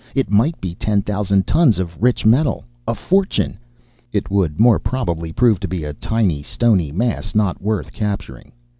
It might be ten thousand tons of rich metal. A fortune! It would more probably prove to be a tiny, stony mass, not worth capturing.